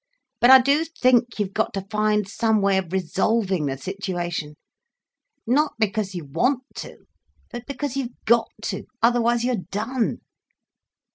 "But I do think you've got to find some way of resolving the situation—not because you want to, but because you've got to, otherwise you're done.